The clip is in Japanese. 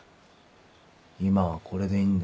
今はこれでいいんだよ。